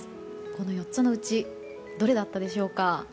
この４つのうちどれだったでしょうか。